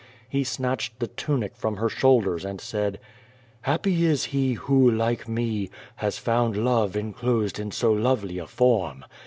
He snatched the tunic from her shoulders and said: "Happy is he who, like me, has found love enclosed in so lovely a form.